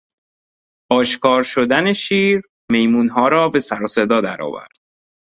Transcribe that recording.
اشکار شدن شیر، میمونها را به سر و صدا درآورد.